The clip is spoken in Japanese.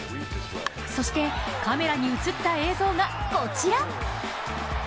そして、カメラに映った映像がこちら。